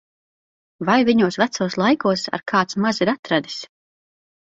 Vai viņos vecos laikos ar kāds maz ir atradis!